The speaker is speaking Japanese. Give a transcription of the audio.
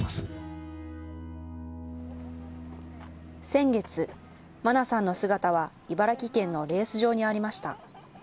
先月、茉奈さんの姿は茨城県のレース場にありました。